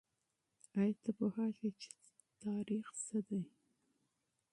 آیا ته پوهېږې چې تاریخ څه دی؟